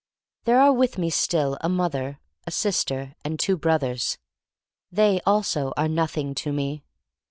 There are with me still a mother, a sister, and two brothers. They also are nothing to me.